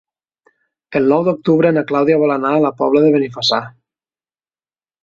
El nou d'octubre na Clàudia vol anar a la Pobla de Benifassà.